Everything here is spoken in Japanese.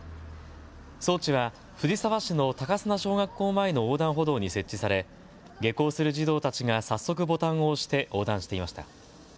装置は藤沢市の高砂小学校前の横断歩道に設置され下校する児童たちが早速ボタンを押して横断していました。